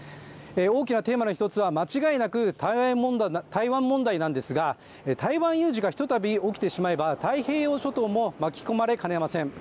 大きなテーマの一つは間違いなく台湾問題なんですが、台湾有事がひとたび起きてしまえば太平洋諸島も巻き込まれかねません。